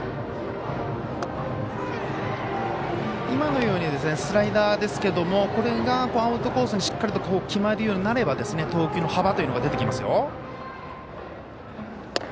今のようにスライダーですけどもこれがアウトコースにしっかりと決まるようになれば投球の幅というのが出てきますよ。